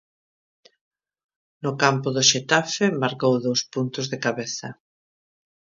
No campo do Xetafe marcou dous puntos de cabeza.